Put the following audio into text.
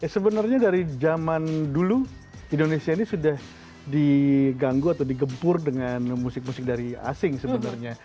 sebenarnya dari zaman dulu indonesia ini sudah diganggu atau digempur dengan musik musik dari asing sebenarnya